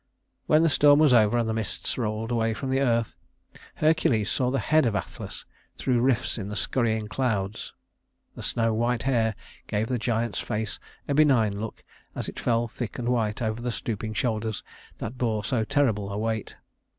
When the storm was over and the mists rolled away from the earth, Hercules saw the head of Atlas through rifts in the scurrying clouds. The snow white hair gave the giant's face a benign look as it fell thick and white over the stooping shoulders that bore so terrible a weight.